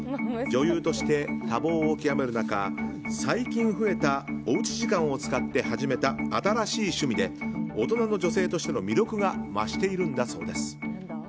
女優として多忙を極める中最近増えたおうち時間を使って始めた新しい趣味で大人の女性としての魅力が増しているんだそうです。